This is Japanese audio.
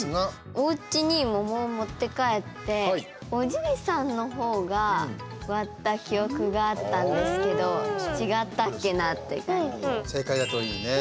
おうちに桃を持って帰っておじいさんの方が割った記憶があったんですけど違ったっけなって感じで。